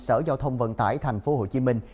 sở giao thông vận tải thành phố hồ chí minh